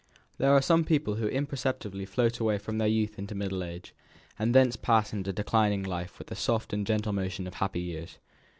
There are some people who imperceptibly float away from their youth into middle age, and thence pass into declining life with the soft and gentle motion of happy years.